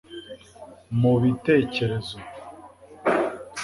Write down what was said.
mubitekerezo